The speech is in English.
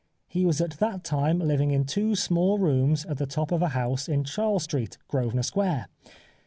He was at that time living in two small rooms at the top of a house in Charles Street, Grosvenor Square.